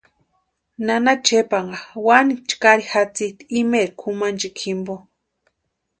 Nana Chepanha wani chkari jatsisti imaeri kʼumanchikwa jimpo.